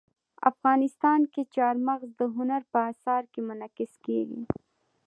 افغانستان کې چار مغز د هنر په اثار کې منعکس کېږي.